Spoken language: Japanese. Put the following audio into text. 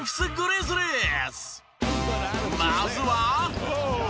まずは。